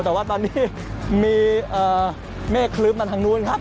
แต่ว่าตอนนี้มีเมฆคลื้มมาทางนู้นครับ